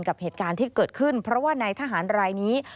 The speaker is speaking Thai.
กับเหตุการณ์ที่เกิดขึ้นเพราะว่าในทหารรายนี้